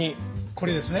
これですね。